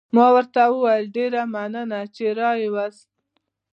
ما ورته وویل: ډېره مننه، چې را يې وست.